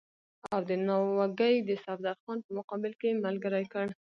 او د ناوګۍ د صفدرخان په مقابل کې یې ملګری کړ.